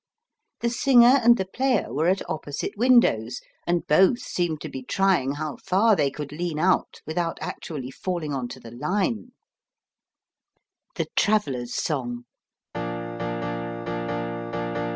The singer and the player were at opposite windows, and both seemed to be trying how far they could lean out without actually falling on to the line. THE TRAVELLER'S SONG.